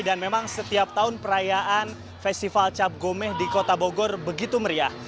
dan memang setiap tahun perayaan festival cap gomeh di kota bogor begitu meriah